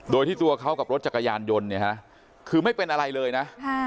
โดยที่ตัวเขากับรถจักรยานยนต์เนี่ยฮะคือไม่เป็นอะไรเลยนะ